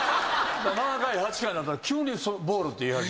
７回８回になったら急にボールって言い始める。